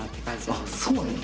あそうね。